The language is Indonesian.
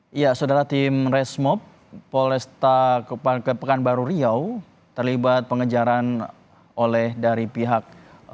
hai ia saudara tim resmob polesta kepan kepan baru riau terlibat pengejaran oleh dari pihak